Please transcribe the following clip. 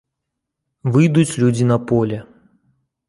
Выйдуць людзі на поле.